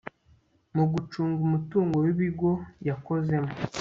mu gucunga umutungo w'ibigo yakozemo